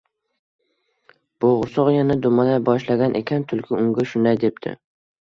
Bo’g’irsoq yana dumalay boshlagan ekan, tulki unga shunday debdi: